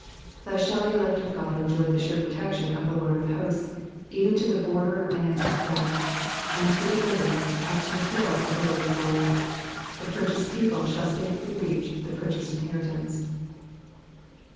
Thus shall the elect of Qod enjoy the sure protection of the Lord of hosts, even to the border land of death, and through the river, up to the hill of the Lord in glory. The purchased people shall safely re^ch the purchased inheritance.